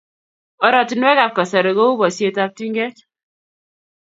Oratinwekab kasari kou boisiteab tinget,